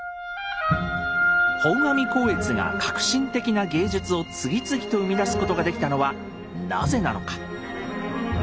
本阿弥光悦が革新的な芸術を次々と生み出すことができたのはなぜなのか。